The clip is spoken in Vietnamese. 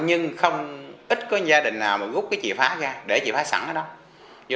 nhưng không ít có gia đình nào mà rút cái chìa phá ra để chìa phá sẵn ở đó